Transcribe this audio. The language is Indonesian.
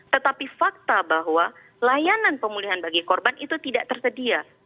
tetapi fakta bahwa layanan pemulihan bagi korban itu tidak tersedia